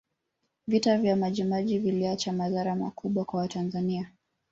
vita vya majimaji viliacha madhara makubwa kwa watanzania